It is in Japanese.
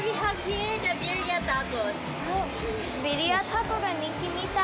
ビリアタコスが人気みたい。